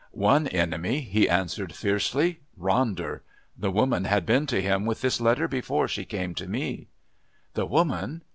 "One enemy," he answered fiercely. "Ronder. The woman had been to him with this letter before she came to me." "The woman!